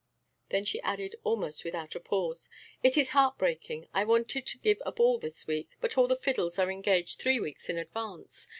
Then she added almost without a pause: "It is heart breaking.... I wanted to give a ball this week; but all the fiddles are engaged three weeks in advance.